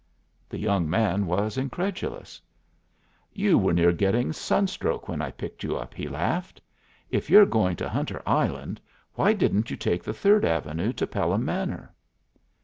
The young man was incredulous. "You were near getting sunstroke when I picked you up," he laughed. "If you're going to Hunter's Island why didn't you take the Third Avenue to Pelham Manor?"